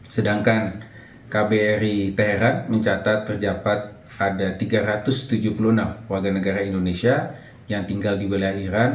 sedangkan kbri perak mencatat terdapat ada tiga ratus tujuh puluh enam warga negara indonesia yang tinggal di wilayah iran